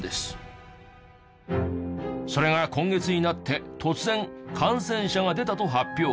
それが今月になって突然感染者が出たと発表。